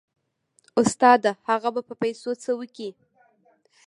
استاده هغه به په پيسو څه وكي.